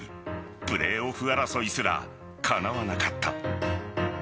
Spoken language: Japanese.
プレーオフ争いすらかなわなかった。